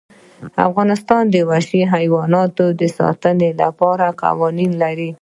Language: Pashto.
افغانستان د وحشي حیوانات د ساتنې لپاره قوانین لري.